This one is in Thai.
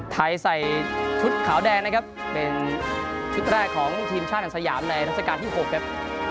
ใส่ชุดขาวแดงนะครับเป็นชุดแรกของทีมชาติอันสยามในรัชกาลที่๖ครับ